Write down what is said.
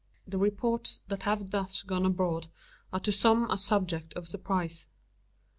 The reports that have thus gone abroad are to some a subject of surprise.